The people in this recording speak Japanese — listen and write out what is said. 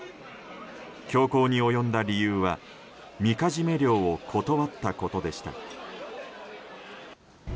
凶行に及んだ理由はみかじめ料を断ったことでした。